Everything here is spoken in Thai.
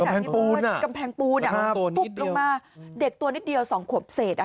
กำแพงปูนอ่ะกำแพงปูนอ่ะตัวนิดเดียวลงมาเด็กตัวนิดเดียวสองขวบเสร็จ